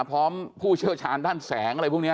ผู้เชี่ยวชาญด้านแสงอะไรพวกนี้